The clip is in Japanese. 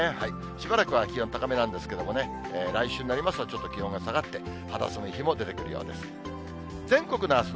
しばらくは気温高めなんですけれどもね、来週になりますと、ちょっと気温が下がって、肌寒い日も出てくるようです。